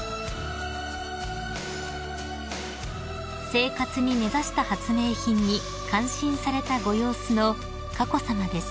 ［生活に根ざした発明品に感心されたご様子の佳子さまです］